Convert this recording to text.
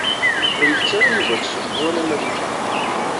Ur isett Yuba aksum wala Malika.